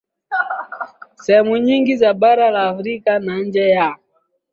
sehemu nyingine za bara la Afrika na nje ya